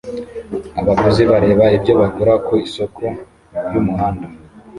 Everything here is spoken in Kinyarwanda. Abaguzi bareba ibyo bagura ku isoko ryumuhanda